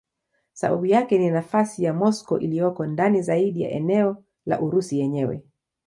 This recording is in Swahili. Sababu yake ni nafasi ya Moscow iliyoko ndani zaidi ya eneo la Urusi yenyewe.